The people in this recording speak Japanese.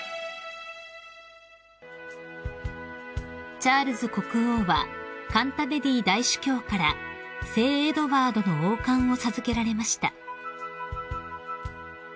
［チャールズ国王はカンタベリー大主教から聖エドワードの王冠を授けられました］